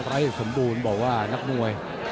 รักษาสมบูรณ์บอกว่านักมวย